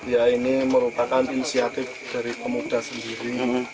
ya ini merupakan inisiatif dari pemuda sendiri